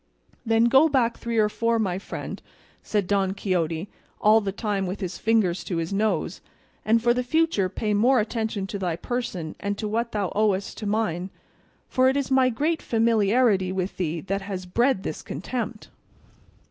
"Then go back three or four, my friend," said Don Quixote, all the time with his fingers to his nose; "and for the future pay more attention to thy person and to what thou owest to mine; for it is my great familiarity with thee that has bred this contempt."